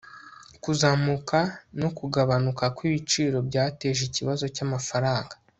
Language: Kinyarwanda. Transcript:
kuzamuka no kugabanuka kwibiciro byateje ikibazo cyamafaranga